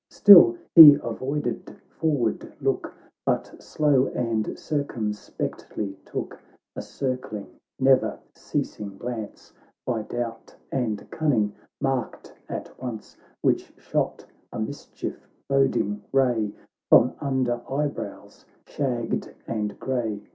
Still he avoided forward look, But slow and circumspectly took A circling, never ceasing glance, By doubt and cunning marked at once, Which shot a mischief boding ray, From under eyebrows shagged and grey.